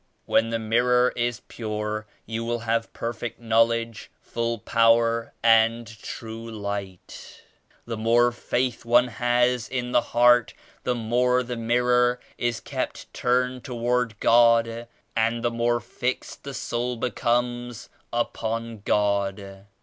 When the mirror is pure you will have perfect knowledge, full power and true Light. The more Faith one has in the heart, the more the mirror is kept turned toward God and the more fixed the soul becomes upon God.